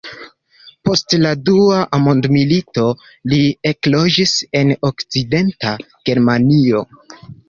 Post la dua mondmilito li ekloĝis en Okcidenta Germanio.